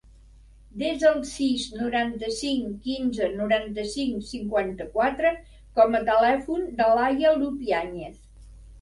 Desa el sis, noranta-cinc, quinze, noranta-cinc, cinquanta-quatre com a telèfon de l'Aya Lupiañez.